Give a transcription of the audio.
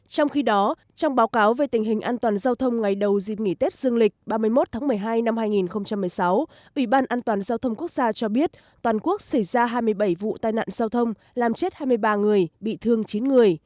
trong khi đó trong báo cáo về tình hình an toàn giao thông ngày đầu dịp nghỉ tết dương lịch ba mươi một tháng một mươi hai năm hai nghìn một mươi sáu ủy ban an toàn giao thông quốc gia cho biết toàn quốc xảy ra hai mươi bảy vụ tai nạn giao thông làm chết hai mươi ba người bị thương chín người